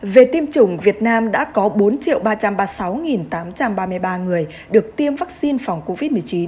về tiêm chủng việt nam đã có bốn ba trăm ba mươi sáu tám trăm ba mươi ba người được tiêm vaccine phòng covid một mươi chín